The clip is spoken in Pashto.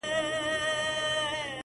کبرجن سو ګمراهي ځني کيدله,